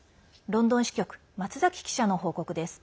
ロンドン支局松崎記者の報告です。